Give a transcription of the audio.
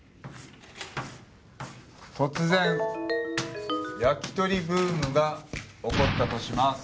突然焼き鳥ブームが起こったとします。